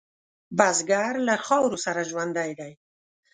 بزګر له خاورو سره ژوندی دی